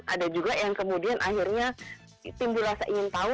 ada juga yang kemudian akhirnya timbul rasa ingin tahu